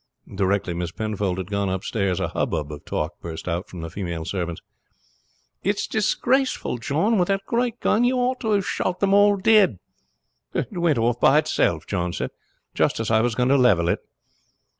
Directly Miss Penfold had gone upstairs a hubbub of talk burst out from the female servants. "It's disgraceful, John! With that great gun you ought to have shot them all dead." "It went off by itself," John said, "just as I was going to level it."